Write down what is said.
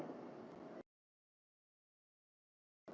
ครับ